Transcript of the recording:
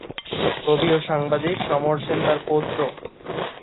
কবি ও সাংবাদিক সমর সেন তার পৌত্র।